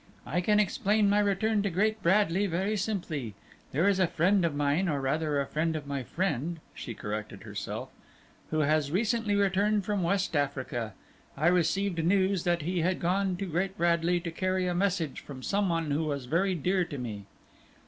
"I can explain my return to Great Bradley very simply. There is a friend of mine, or rather a friend of my friend," she corrected herself, "who has recently returned from West Africa. I received news that he had gone to Great Bradley to carry a message from some one who was very dear to me."